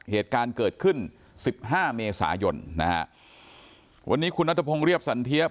เหตุการณ์เกิดขึ้นสิบห้าเมษายนนะฮะวันนี้คุณนัทพงศ์เรียบสันเทียบ